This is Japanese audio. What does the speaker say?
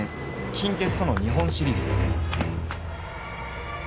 近鉄との日本シリーズ。